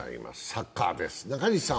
サッカーです。